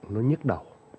nó nhức đầu